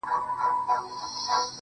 ستا خو صرف خندا غواړم چي تا غواړم.